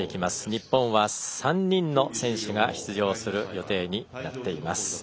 日本は３人の選手が出場する予定になっています。